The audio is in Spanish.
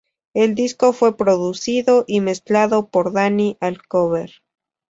El disco fue producido y mezclado por Dani Alcover.